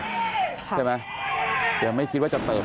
สวัสดีครับ